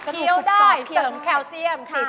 กระดูกได้เสริมแคลเซียม